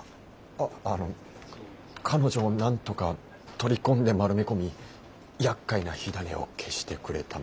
ああの彼女をなんとか取り込んで丸め込みやっかいな火種を消してくれたまえそういうことかと。